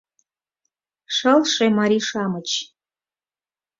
ШЫЛШЕ МАРИЙ-ШАМЫЧ